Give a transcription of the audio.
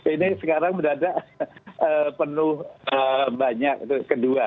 ini sekarang berada penuh banyak kedua